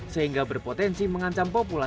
sehingga berpotensi mengancam pokoknya